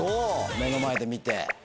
目の前で見て。